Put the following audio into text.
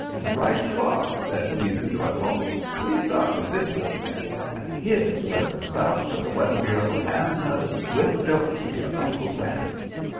"Right you are!" says Peter, joyful. "We start for Setuckit, then. And here's where the South Shore Weather Bureau hands another swift jolt to your Uncle Sam."